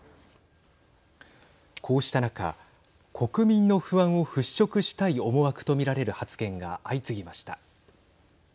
こうした中国民の不安を払拭したい思惑と見られる発言が相次ぎました。